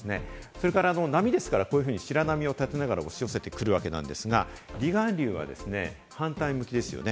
それから波ですから、白波を立てながら押し寄せてくるわけですが、離岸流は反対向きですね。